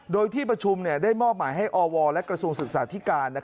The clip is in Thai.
โดยที่ประชุมได้มอบหมายให้อวและกระทรวงศึกษาธิการ